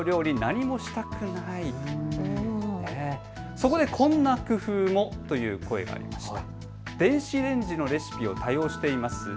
そこでこんな工夫もという声がありました。